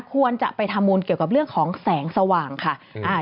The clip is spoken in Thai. ควรจะไปทำบุญเกี่ยวกับเรื่องของแสงสว่างค่ะ